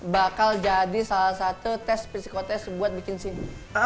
bakal jadi salah satu tes psikotest buat bikin sini